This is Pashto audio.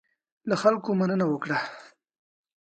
له خلکو مننه وکړه.